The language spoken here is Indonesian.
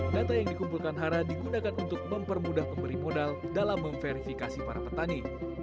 data yang dikumpulkan hara digunakan untuk mempermudah pemberi modal dalam memverifikasi para petani